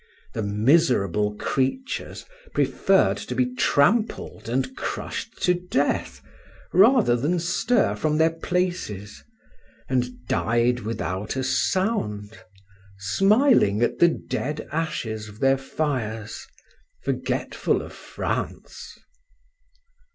The miserable creatures preferred to be trampled and crushed to death rather than stir from their places, and died without a sound, smiling at the dead ashes of their fires, forgetful of France.